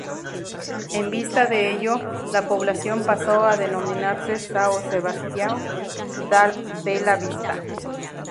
En vista de ello la población pasó a denominarse São Sebastião da Bela Vista.